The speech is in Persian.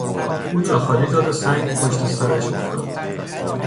او جا خالی داد و سنگ پشت سرش افتاد.